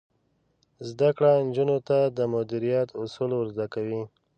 زده کړه نجونو ته د مدیریت اصول ور زده کوي.